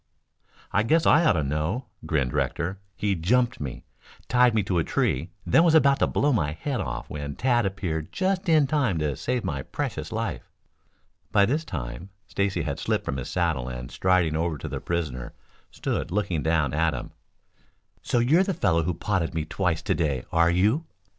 "I guess I ought to know," grinned Rector, "He jumped me, tied me to a tree, then was about to blow my head off when Tad appeared just in time to save my precious life." By this time Stacy had slipped from his saddle and striding over to the prisoner stood looking down at him. "So, you're the fellow who potted me twice to day, are you?"